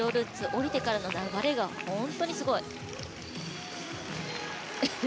降りてからの流れが本当にすごい。